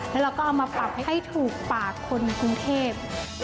แล้วเราก็เอามาปรับให้ถูกปากคนกรุงเทพ